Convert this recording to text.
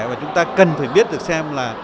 và chúng ta cần phải biết được xem là